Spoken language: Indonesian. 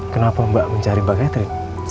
kenapa mbak mencari mbak catrik